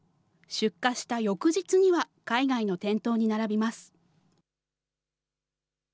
出荷した翌日には海外の店頭に並びます。